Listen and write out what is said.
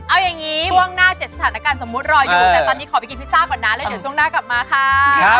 เอายังงี้ท่วงหน้า๗สถานการณ์สมมุตรรออยู่